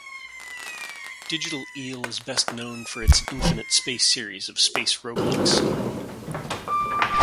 Digital Eel is best known for its Infinite Space series of space roguelikes.